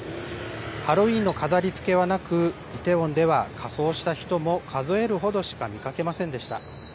ハロウィーンの飾りつけはなく、イテウォンでは仮装した人も数えるほどしか見かけませんでした。